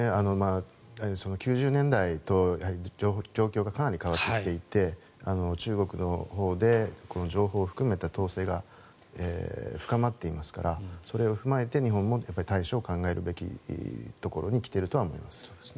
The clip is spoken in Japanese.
９０年代と状況がかなり変わってきていて中国のほうで情報を含めた統制が深まっていますからそれを踏まえて日本も対処を考えるべきところに来ているとは思います。